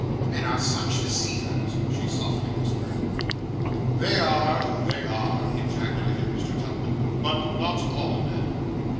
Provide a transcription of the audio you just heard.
'Men are such deceivers,' she softly whispered. 'They are, they are,' ejaculated Mr. Tupman; 'but not all men.